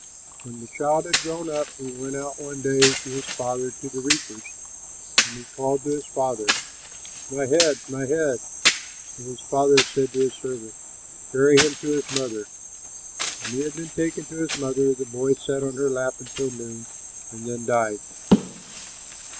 When the child had grown up he went out one day to his father to the reapers. And he called to his father, "My head, my head!" So his father said to his servant, "Carry him to his mother." When he had been taken to his mother, the boy sat on her lap until noon and then died.